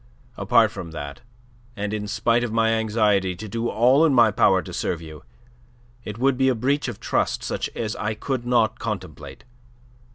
Apart from that, and in spite of my anxiety to do all in my power to serve you, it would be a breach of trust such as I could not contemplate.